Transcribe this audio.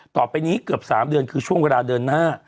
ต่อไปนี้เกือบ๓เดือนคือช่วงเวลาเดินหน้า